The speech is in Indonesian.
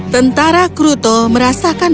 tentara kruto merasakan